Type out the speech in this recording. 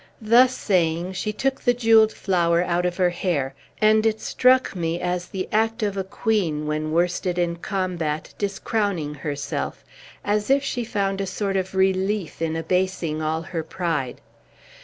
Thus saying, she took the jewelled flower out of her hair; and it struck me as the act of a queen, when worsted in a combat, discrowning herself, as if she found a sort of relief in abasing all her pride.